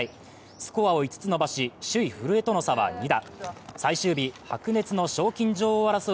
スコアを５つ伸ばし、首位・古江との差は２打。